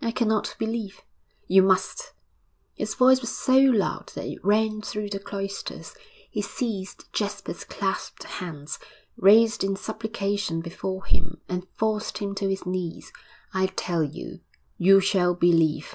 'I cannot believe!' 'You must!' His voice was so loud that it rang through the cloisters. He seized Jasper's clasped hands, raised in supplication before him, and forced him to his knees. 'I tell you, you shall believe!'